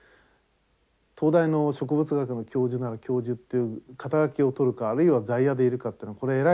東大の植物学の教授なら教授っていう肩書を取るかあるいは在野でいるかってこれえらい違いで。